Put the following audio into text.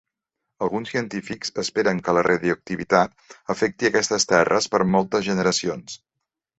Alguns científics esperen que la radioactivitat afecti aquestes terres per moltes generacions.